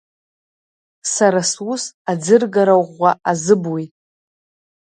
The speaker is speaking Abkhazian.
Сара сус аӡыргара ӷәӷәа азыбуеит.